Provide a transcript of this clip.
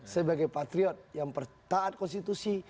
sebagai patriot yang taat konstitusi